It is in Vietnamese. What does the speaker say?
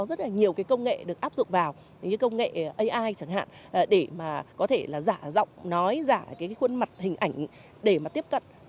có rất là nhiều cái công nghệ được áp dụng vào như công nghệ ai chẳng hạn để mà có thể là giả giọng nói giả cái khuôn mặt hình ảnh để mà tiếp cận